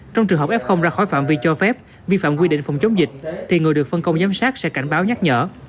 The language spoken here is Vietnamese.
trong trường hợp f ra khỏi phạm vi cho phép vi phạm quy định phòng chống dịch thì người được phân công giám sát sẽ cảnh báo nhắc nhở